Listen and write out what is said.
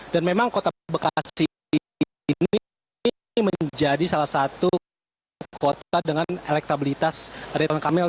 dan memang kota bekasi ini menjadi salah satu kota dengan elektabilitas ridwan kamil